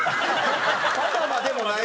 パジャマでもない。